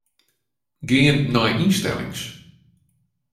Gean nei ynstellings.